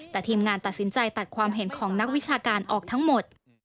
แต่ทีมงานตัดสินใจตัดความเห็นของนักวิชาการออกทั้งหมด